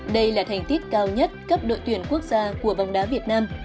đó là thành tích cao nhất cấp đội tuyển quốc gia của vòng đá việt nam